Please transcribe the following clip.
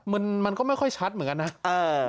มันมันก็ไม่ค่อยชัดเหมือนกันนะ